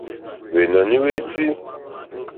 Hwènɔ̀ní hwé tʃí.